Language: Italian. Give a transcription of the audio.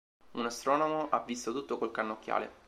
Un astronomo ha visto tutto col cannocchiale.